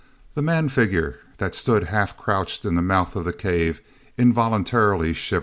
The man figure that stood half crouched in the mouth of the cave involuntarily shivered.